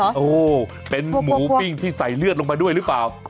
โอ้โหเป็นหมูปิ้งที่ใส่เลือดลงมาด้วยหรือเปล่า